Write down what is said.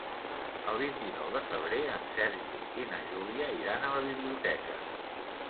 El vint-i-nou de febrer en Sergi i na Júlia iran a la biblioteca.